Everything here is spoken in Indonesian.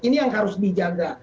ini yang harus dijaga